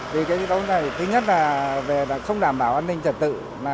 vì cái tốp này thứ nhất là về sống đảm bảo an ninh trật tự